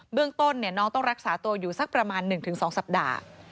เรื่องต้นน้องต้องรักษาตัวอยู่สักประมาณ๑๒สัปดาห์